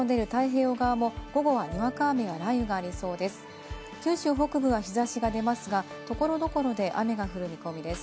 日差しの出る太平洋側も午後はにわか雨や雷雨がありそうです。